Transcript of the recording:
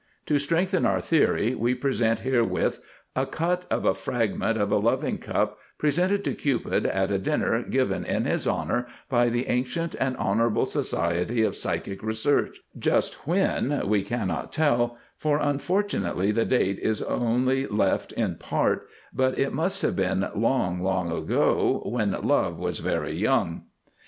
To strengthen our theory we present herewith a cut of a fragment of a loving cup presented to Cupid at a dinner given in his honor by the Ancient and Honorable Society of Psychic Research, just when we cannot tell, for unfortunately the date is only left in part, but it must have been long, long ago when Love was very young.